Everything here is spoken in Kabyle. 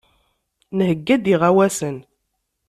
Nheyya-d iɣawasen.